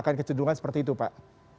akan kecenderungan seperti itu pak